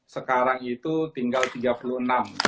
sekarang itu tinggal tiga puluh enam